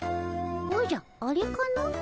おじゃあれかの。